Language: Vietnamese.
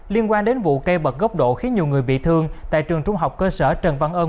liên quan đến vụ cây bật gốc độ khiến nhiều người bị thương tại trường trung học cơ sở trần văn ân